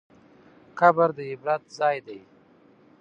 قبر د عبرت ځای دی.